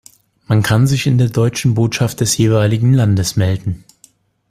Man kann sich in der deutschen Botschaft des jeweiligen Landes melden.